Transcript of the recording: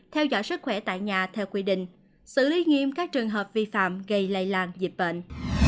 theo dõi sức khỏe tại nhà theo quy định xử lý nghiêm các trường hợp vi phạm gây lây lan dịch bệnh